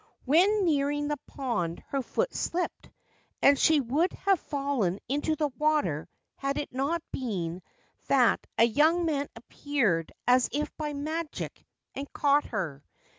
When nearing the pond her foot slipped, and she would have fallen into the water had it not been that a young man appeared as if by magic and caught her.